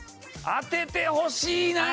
当ててほしい！